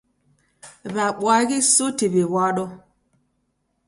W'abwaghi suti w'iw'ado.